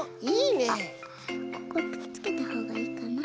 ここくっつけたほうがいいかな。